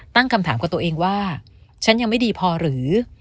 ตั้งคำถามกับตัวเองว่าฉันยังไม่ดีพอหรือ